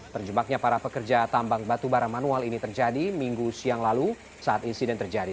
terjebaknya para pekerja tambang batubara manual ini terjadi minggu siang lalu saat insiden terjadi